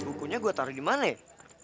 bukunya gue taruh di mana ya